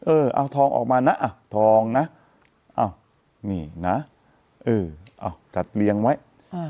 เออเอาทองออกมานะอ่ะทองนะอ้าวนี่นะเออเอาจัดเลี้ยงไว้